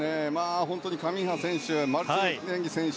カミンハ選手マルティネンギ選手